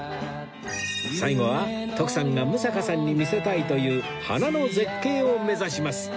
最後は徳さんが六平さんに見せたいという花の絶景を目指します